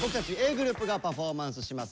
ｇｒｏｕｐがパフォーマンスします。